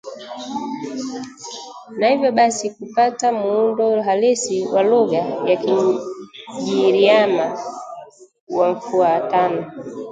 na hivyo basi kupata muundo halisi wa lugha ya Kigiryama wa mfuatano